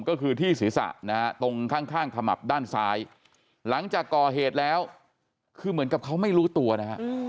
ก็คือที่ศีรษะนะฮะตรงข้างขมับด้านซ้ายหลังจากก่อเหตุแล้วคือเหมือนกับเขาไม่รู้ตัวนะฮะ